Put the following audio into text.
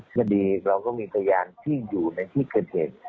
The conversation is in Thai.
คดีเราก็มีพยานที่อยู่ในที่เกิดเหตุ